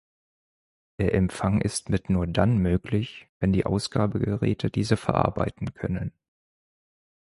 Der Empfang ist mit nur dann möglich, wenn die Ausgabegeräte diese verarbeiten können.